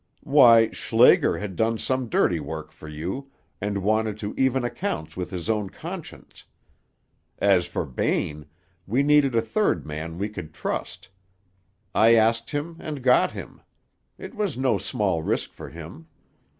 "Why, Schlager had done some dirty work for you, and wanted to even accounts with his own conscience. As for Bain, we needed a third man we could trust. I asked him and got him. It was no small risk for him.